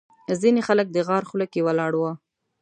ځینې خلک د غار خوله کې ولاړ وو.